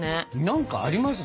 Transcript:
何かあります？